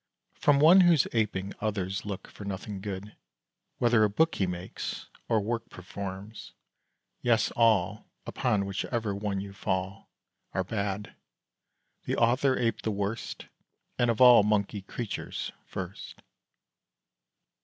From one who's aping others look For nothing good; whether a book He makes, or work performs. Yes, all, Upon whichever one you fall, Are bad the author ape the worst, And of all monkey creatures first.